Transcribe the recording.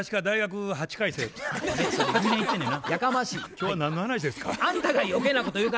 今日は何の話ですか？